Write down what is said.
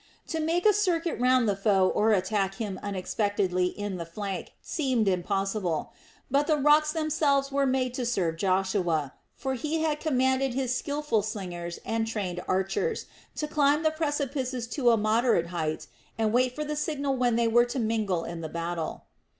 To make a circuit round the foe or attack him unexpectedly in the flank seemed impossible; but the rocks themselves were made to serve Joshua; for he had commanded his skilful slingers and trained archers to climb the precipices to a moderate height and wait for the signal when they were to mingle in the battle.